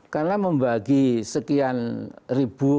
karena membagi sekian ribu